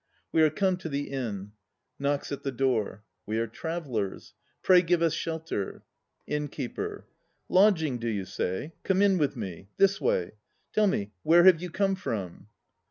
We are come to the Inn. (Knocks at the door.) We are travellers. Pray give us shelter. INNKEEPER. Lodging, do you say? Come in with me. This way. Tell me, where have you come from?